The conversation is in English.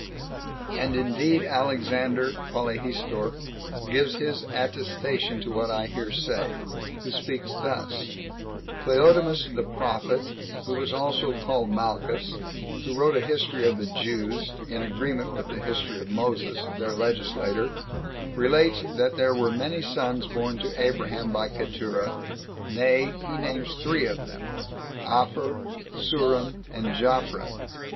And indeed Alexander Polyhistor gives his attestation to what I here say; who speaks thus: "Cleodemus the prophet, who was also called Malchus, who wrote a History of the Jews, in agreement with the History of Moses, their legislator, relates, that there were many sons born to Abraham by Keturah: nay, he names three of them, Apher, and Surim, and Japhran.